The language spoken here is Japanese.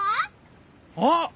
あっ！